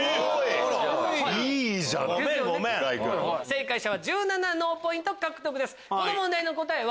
正解者は１７脳ポイント獲得です。